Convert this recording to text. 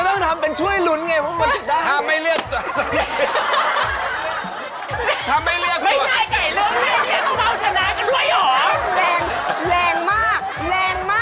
แรงมากแรงมาก